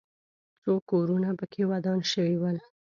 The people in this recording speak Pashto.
څو کورونه پکې ودان شوي ول.